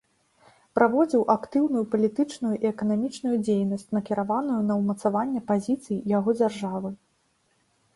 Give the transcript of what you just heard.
Праводзіў актыўную палітычную і эканамічную дзейнасць, накіраваную на ўмацаванне пазіцый яго дзяржавы.